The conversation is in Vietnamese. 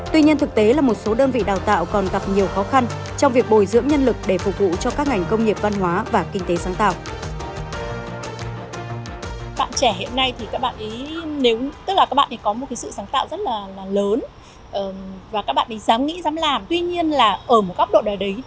tuy nhiên thực tế là một số đơn vị đào tạo còn gặp nhiều khó khăn trong việc bồi dưỡng nhân lực để phục vụ cho các ngành công nghiệp văn hóa và kinh tế sáng tạo